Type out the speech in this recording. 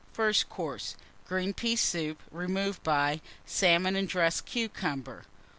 First Course. Green Pea Soup, removed by Salmon and dressed Cucumber.